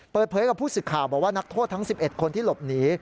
เปิดเผยกับผู้สื่อข่าวบอกว่านักโทษทั้ง๑๑คนที่หลบหนี